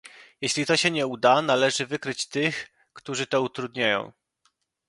Jeśli to się nie uda, należy wykryć tych, którzy to utrudniają